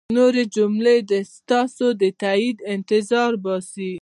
نورې جملې ستاسو د تایید انتظار باسي.